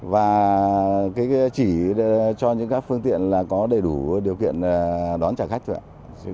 và chỉ cho những các phương tiện có đầy đủ điều kiện đón trả khách thôi ạ